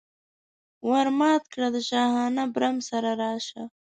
ور مات کړه د شاهانه برم سره راشه.